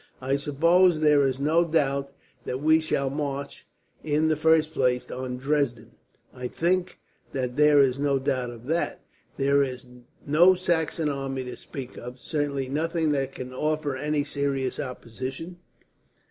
"I suppose there is no doubt that we shall march, in the first place, on Dresden." "I think that there is no doubt of that. There is no Saxon army to speak of, certainly nothing that can offer any serious opposition.